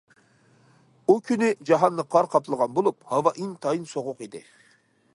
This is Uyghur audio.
ئۇ كۈنى جاھاننى قار قاپلىغان بولۇپ، ھاۋا ئىنتايىن سوغۇق ئىدى.